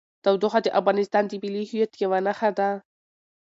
تودوخه د افغانستان د ملي هویت یوه نښه ده.